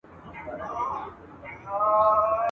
د نارینه سره سیاله پاته سوې ده